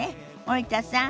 森田さん